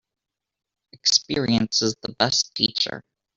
Experience is the best teacher.